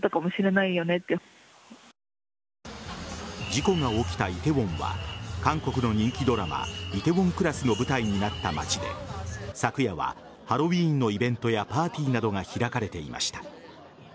事故が起きた梨泰院は韓国の人気ドラマ「梨泰院クラス」の舞台になった町で昨夜はハロウィーンのイベントやパーティーなどが開かれていました。